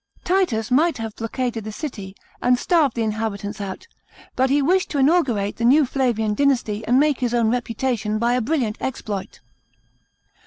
Titus might have blockaded the city, and starved the inhabitants out, but he wished to inaugurate the new Flavian dynasty aud make his own reputation by a brilliant exploit.